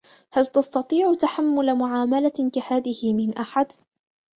هل تستطيع تحمُّل معاملةٍ كهذه من أحد ؟